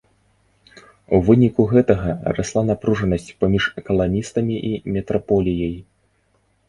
У выніку гэтага расла напружанасць паміж каланістамі і метраполіяй.